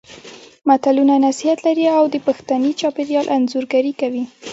متلونه نصيحت لري او د پښتني چاپېریال انځورګري کوي